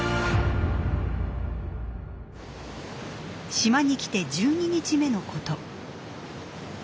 島に来て１２日目のこと。